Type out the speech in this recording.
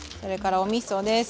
おみそです。